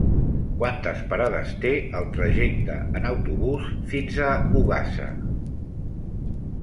Quantes parades té el trajecte en autobús fins a Ogassa?